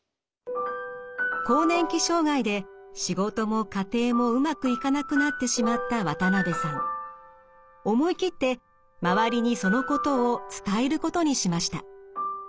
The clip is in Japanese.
更年期障害で仕事も家庭もうまくいかなくなってしまった思い切って周りにそのことを伝えることにしました。